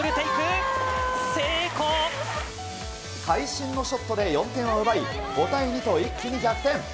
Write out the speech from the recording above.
会心のショットで４点を奪い、５対２と一気に逆転。